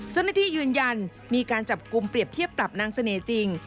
เจ้าหน้าที่ยืนยันมีการจับกุมเปรียบเทียบปรับนางเสน่ห์จริง